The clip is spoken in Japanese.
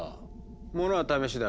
ものは試しだ。